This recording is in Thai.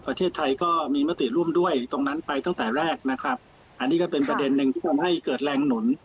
ประเทศไทยก็มีมติร่วมด้วยตรงนั้นไปตั้งแต่แรกนะครับอันนี้ก็เป็นประเด็นหนึ่งที่ทำให้เกิดแรงหนุน